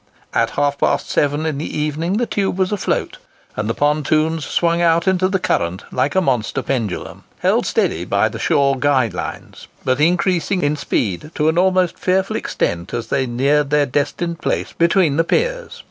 At half past seven in the evening the tube was afloat, and the pontoons swung out into the current like a monster pendulum, held steady by the shore guide lines, but increasing in speed to almost a fearful extent as they neared their destined place between the piers.